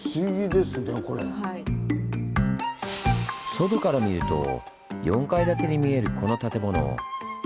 外から見ると４階建てに見えるこの建物。